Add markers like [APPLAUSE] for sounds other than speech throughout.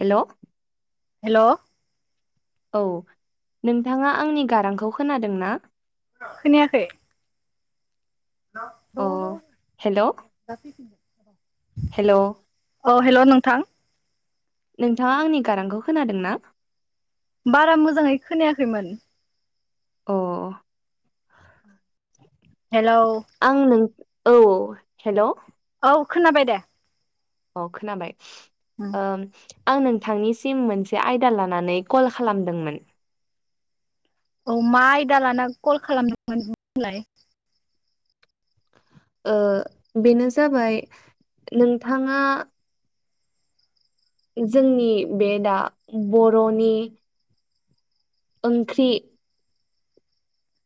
हेल' hello औ नोंथाङा आंनि गारांखौ खोनादों ना? खोनायाखै अ हेल' र हेल' अ हेल' नोंथां नोंथाङा आंनि गारांखौ खोनादों ना? बारा मोजाङै खोनायाखैमोन अ हेलौ आं नों औ हेल' औ खोनाबाय दे अ खोनाबाय ओ आं नोंथांनिसिम मोनसे आयदा लानानै कल खालामदोंमोन औ मा आयदा लाना कल खालामदोंमोन बुंलाय ओ बेनो जाबाय नोंथाङा जोंनि बे दा बर'नि ओंख्रि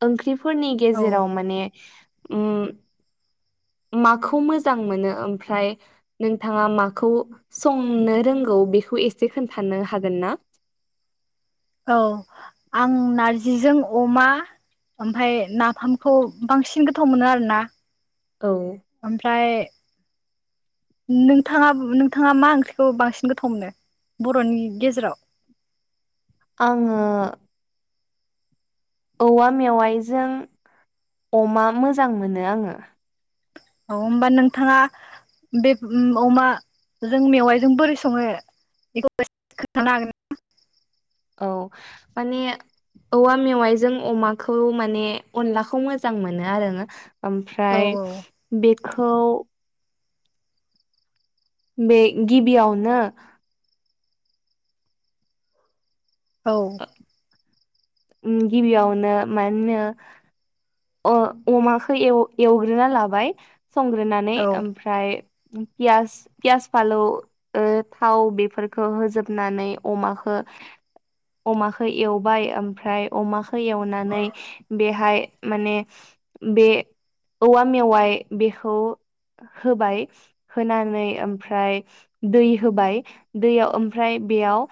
ओंख्रिफोरनि औ गेजेराव माने उम माखौ मोजां मोनो ओमफ्राय नोंथाङा माखौ संनो रोंगौ बेखौ एसे खोनथानो हागोन ना? औ आं नारजिजों अमा ओमफाय नाफामखौ बांसिन गोथाव मोनो आरो ना औ ओमफ्राय नोंथाङा नोंथाङा मा ओंख्रिखौ बांसिन गोथाव मोनो बर'नि गेजेराव आङो औवा मेवायजों अमा मोजां मोनो आङो अ होमबा नोंथाङा बे अमाजों मेवाइजों बोरै सङो बेखौ एसे खोनानो हागोन नामा औ माने औवा मेवाइजों अमाखौ माने अनलाखौ मोजां मोनो आरो औ ओमफ्राय बेखौ बे गिबियावनो औ गिबियावनो माहोनो अ अमाखौ एवग्रोना लाबाय संग्रोनानै औ ओमफ्राय पियास पियास फालौ ओ थाव बेफोरखौ होजोबनानै अमाखौ [INAUDIBLE] अमाखौ एवबाय ओमफ्राय अमाखौ एवनानै बेहाय माने बे औवा मेवाइ बेखौ होबाय होनानै ओमफ्राय दै होबाय दैयाव ओमफ्राय बेयाव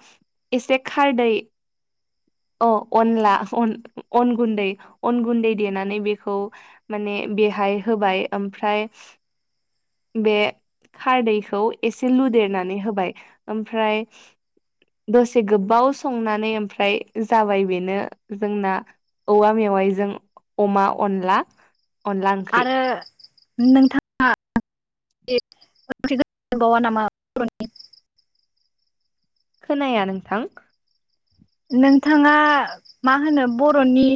एसे खारदै अ अनला अन गुन्दै अन गुन्दै देनानै बेखौ माने बेहाय होबाय ओमफ्राय बे खारदैखौ एसे लुदेरनानै होबाय ओमफ्राय दसे गोबाव संनानै ओमफ्राय जाबाय बेनो जोंना औवा मेवाइजों अमा अनला अनला ओंख्रि। नोंथाङा [UNINTELLIGIBLE] बावा नामा बर'नि खोनाया नोंथां नोंथाङा मा होनो बर'नि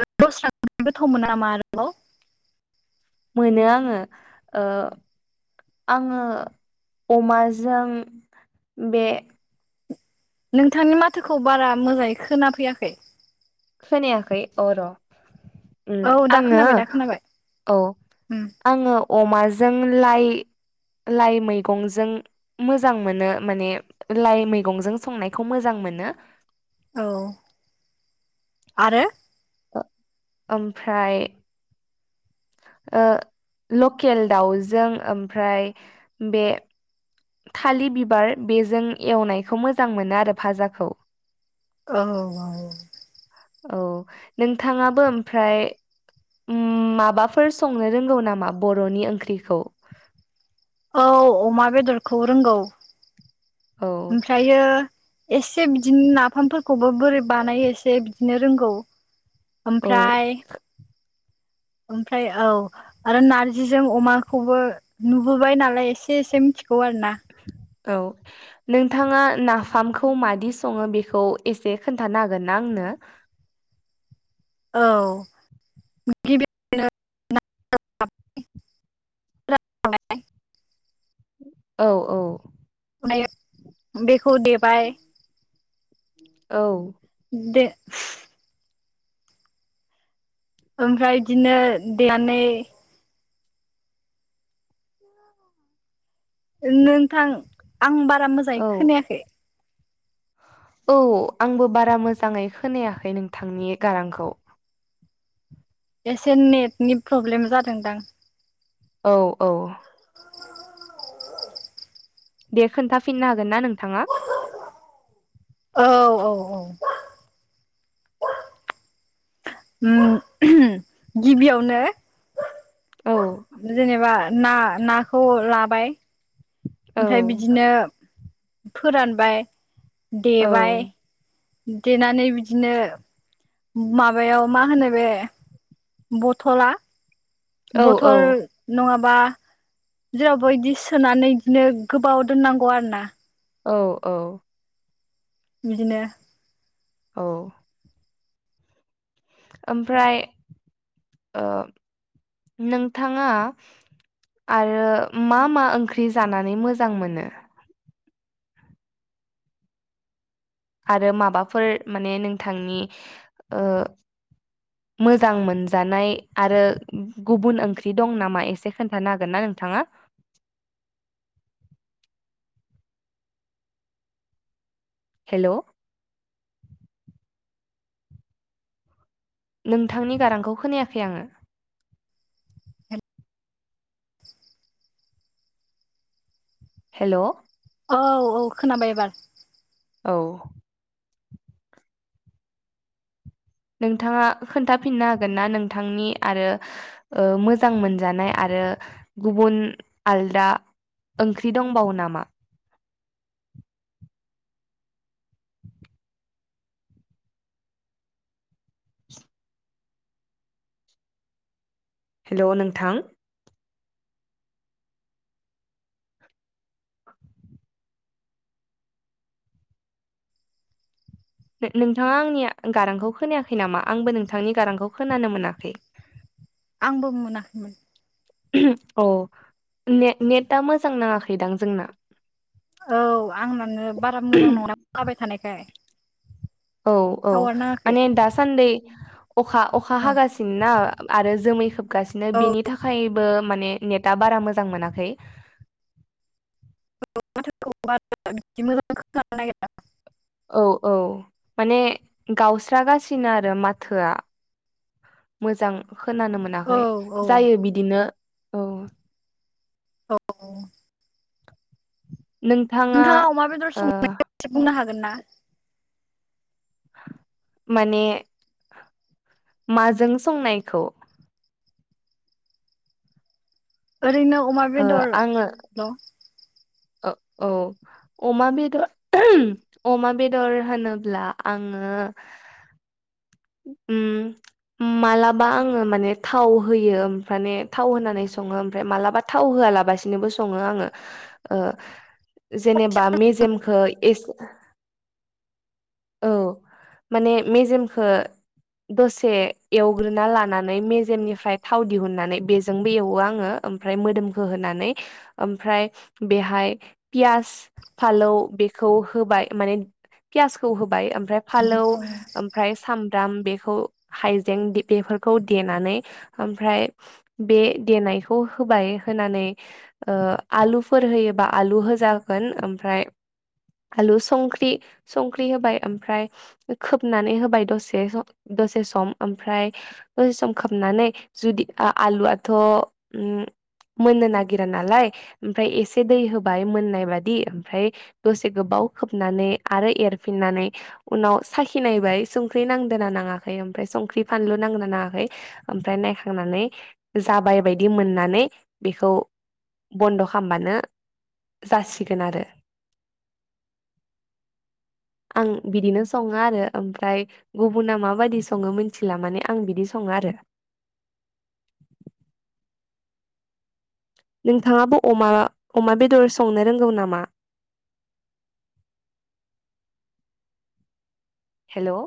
दस्रा ओंख्रि गोथाव‌ मोना नामा आरोबाव मोनो आङो ओ आङो अमाजों बे नोंथांनि माथोखौ बारा मोजाङै खोना फैयाखै खोनायाखै अ‌ र' उम औ दा आङो खोनाबाय दा खोनाबाय औ उम आङो अमा जों लाइ लाइ मैगंजों मोजां मोनो माने लाइ मैगंजों संनायखौ मोजां मोनो औ आरो ओमफ्राय ओ लकेल दाउजों ओमफ्राय बे थालिर बिबार बेजों एवनायखौ मोजां मोनो आरो भाजाखौ औ औ औ नोंथाङाबो ओमफ्राय माबाफोर संनो रोंगौ नामा बर'नि ओंख्रिखौ औ अमा बेदरखौ रोंगौ औ ओमफ्रायो एसे बिदिनो नाफामफोरखौबो बोरै बानायो एसे बिदिनो रोंगौ औ ओमफ्राय ओमफ्राय औ आरो नारजिजों अमाखौबो नुबोबाय नालाय एसे एसे मिथि गौ आरो ना औ नोंथाङा नाफामखौ मादि सङो बेखौ एसे खोन्थानो हागोनना आंनो? दा औ [UNINTELLIGIBLE] [INAUDIBLE] औ औ बेखौ देबाय औ दे ओमफ्राय बिदिनो देनानै नोंथां आं बारा मोजाङै औ खोनायाखै औ आंबो बारा मोजाङै खोनायाखै नोंथांनि गारांखौ एसे नेटनि प्रब्लेम जादोंदां औ औ दे खोन्थाफिननो हागोन ना नोंथाङा? औ औ औ उम गिबियावनो औ जेनेबा ना नाखौ लाबाय औ ओमफ्राय बिदिनो फोरानबाय औ देबाय देनानै बिदिनो माबायाव मा होनो बे बथला औ औ बथल नङाबा बा जेरावबो इदि सोनानै बिदिनो गोबाव दोननांगौ आरो ना औ औ बिदिनो औ ओमफ्राय ओ नोंथाङा आरो मा मा ओंख्रि जानानै मोजां मोनो? आरो माबाफोर माने नोंथांनि ओ मोजां मोनजानाय आरो गुबुन ओंख्रि दं नामा एसे खोन्थानो हागोन ना नों थाङा हेल' नोंथांनि गारांखौ खोनायाखै आङो हेल' औ औ खोनाबाय एबार औ नोंथाङा खोन्थाफिननो हागोन ना नोंथांनि आरो मोजां ओ मोनजानाय आरो आरो गुबुन आलदा ओंख्रि दंबावो नामा हेल' नोंथां नोंथाङा आंनि गारांखौ खोनायाखै नामा आंबो नोंथांनि गारांखौ खोनानो मोनाखै [INAUDIBLE] आंबो मोनाखैमोन अ ने नेटआ मोजां नाङाखैदां जोंना औ आंनानो बारा मोजां नंला अखा हाबाय थानायखाय औ औ टावार नाङाखै माने दासान्दि अखा अखा औ हागासिनो ना आरो जोमै खोबगासिनो औ बिनि थाखायबो माने नेटा बारा मोजां मोनाखै माथोखौ मोजां खानो नागिरा औ औ माने गावस्रागासिनो आरो माथोआ मोजां खोनानो औ मोनाखै जायो बिदिनो औ औ नोंथाङा अमा बेदर ओ संनायनि एसे बुंनो हागोन ना? माने माजों संनायखौ? ओरैनो अमा बेदरल' औ औ अमा बेदर अमा बेदर होनोब्ला आं ओ उ माब्लाबा आङो माने थाव होयो ओमफ्राय थाव होनानै सङो ओमफ्राय मालाबा थाव होआ लाासिनोबो सङो आङो जेनेबा मेजेमखौ एसे औ माने मेजेमखौ दसे एवग्रोना लानानै मेजेमनिफ्राय थाव दिहुननानै बेजोंबो एवो आङो ओमफ्राय मोदोमखौ होनानै ओमफाय बेहाय फियास फालौ बेखौ होबाय माने फियासखौ होबाय ओमफाय फालौ ओमफाय साम ब्राम बेखौ हायजें बेफोरखौ देनानै ओमफाय बे देनाय खौ होबाय ओमफाय होनानै ओ आलुफोर होयोबा आलु होजागोन ओमफाय आलु संख्रि संख्रि होबाय ओमफ्राय खोबनानै होबाय दसे सम दसे सम ओमफ्राय दसे सम खाबनानै जुदि आलुआथ' ओ मोननो नागिरा नालाय ओमफ्राय एसे दै होबाय मोननाय बादि ओमफ्राय दसे गोबाव आव खोबनानै आरो एरफिननानै उनाव साखिनायबाय सुं ख्रि नांदोंना नाङाखै ओमफाय संख्रि फानलु नांदोंना नाङाखै ओमफाय नायखांनानै जाबाय बायदि मोननानै बेखौ बन्द' खालामबानो जासिगोन आरो आं बिदिनो सङो आरो ओमफ्राय गुबुना माबाददि सङो मोनथिला माने आं बिदि सङो आरो [INAUDIBLE] नोंथाङाबो अमा बेदर संनो रोंगौ नामा [INAUDIBLE] हेल'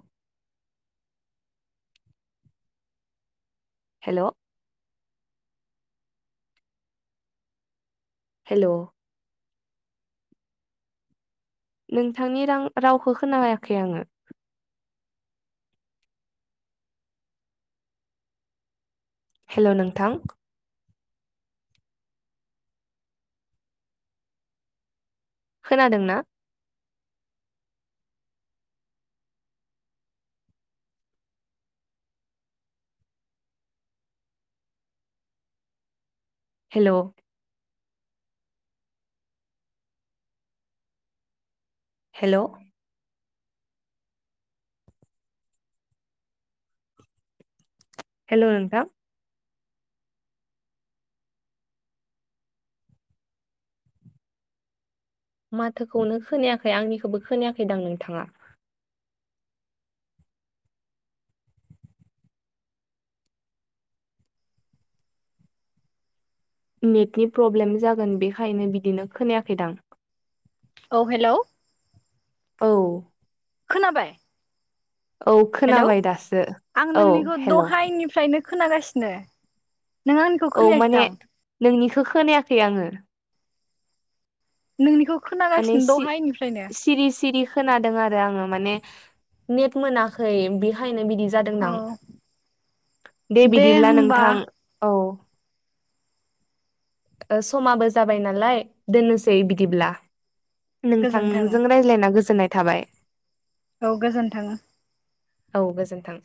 हेल' हेल' नोंथांनि रां रावखौ खोनायाखै आङो हेल' नोंथां खोनादों ना हेल' हेल' हेल' नोंथां माथोखौनो खोनायाखै आंनिखौबो खोनायाखैदां नोंथाङा नेटनि प्रब्लेम जागोन बेखायनो बिदिनो खोनायाखैदां औ हेल' औ खोनाबाय औ हेलौ खोनाबाय दासो आं औ नोंनिखौ हेल' दहायनिफ्रायनो खोनागासिनो नों आंनिखौ औ खोनायाखै माने दां नोंनिखौ खोनायाखै आङो नोंनिखौ माने खोनागासिनो सि दहायनिफ्रायनो सिरि सिरि खोनादों आरो आङो माने नेट मोनाखै बेखायनो बिदि जादों औ दां दे बिदिब्ला नोंथां औ समाबो जाबाय नालाय दोननोसै बिदिब्ला। गोजोन्थों नोंथांजों रायज्लायना गोजोननाय थाबाय औ गोजोन थों। औ गोजोन्थों।